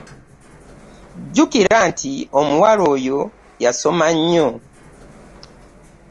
Jjukira nti omuwala oyo ayasoma nnyo.